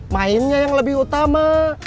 mainnya yang lebih utama